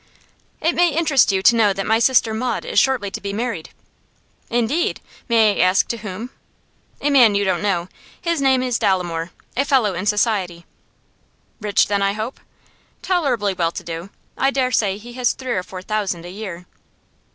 'It may interest you to know that my sister Maud is shortly to be married.' 'Indeed! May I ask to whom?' 'A man you don't know. His name is Dolomore a fellow in society.' 'Rich, then, I hope?' 'Tolerably well to do. I dare say he has three or four thousand a year!